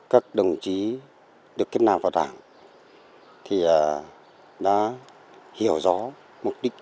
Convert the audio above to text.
các đồng chí được kết nạp vào đảng thì đã hiểu rõ mục đích